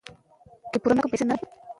زده کوونکي باید د خپلو حقوقو لپاره ودریږي.